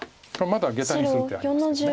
まだゲタにする手ありますけど。